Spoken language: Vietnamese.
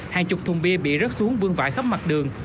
hàng chục thùng bia bị rớt xuống vương vãi khắp mặt đường